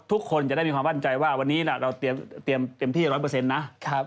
ทุกคนจะได้มีความมั่นใจว่าวันนี้เราเตรียมที่๑๐๐เปอร์เซ็นต์นะครับ